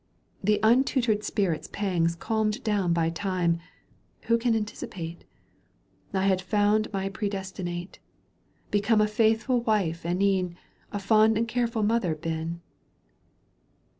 The untutored spirits pangs calmed down By time (who can anticipate ?) I had found my predestinate. Become a faithful wife and e'en A fond and careful mother been.